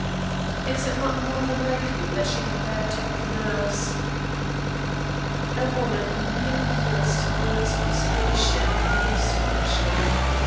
"Is it not more than likely that she had a bad attack of nerves?" "A woman who merely yields to nervous prostration behaves foolishly.